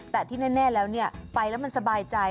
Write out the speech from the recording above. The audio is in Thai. แต่ที่แน่แล้วไปแล้วมันสบายใจ